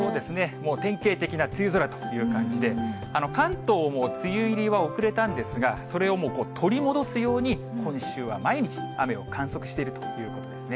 もう典型的な梅雨空という感じで、関東も梅雨入りは遅れたんですが、それを取り戻すように、今週は毎日、雨を観測しているということですね。